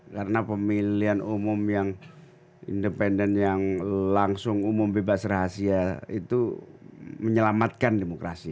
karena pemilihan umum yang independen yang langsung umum bebas rahasia itu menyelamatkan demokrasi